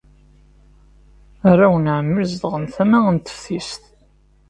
Arraw n ɛemmi zedɣen tama n teftist.